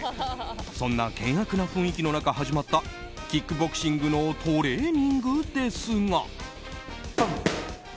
そんな険悪な雰囲気の中始まったキックボクシングのトレーニングですが。